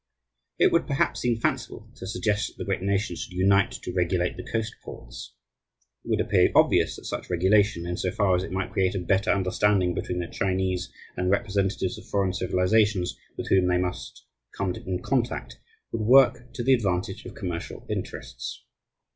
It would perhaps seem fanciful to suggest that the great nations should unite to regulate the coast ports. It would appear obvious that such regulation, in so far as it might create a better understanding between the Chinese and the representatives of foreign civilizations with whom they must come in contact, would work to the advantage of commercial interests.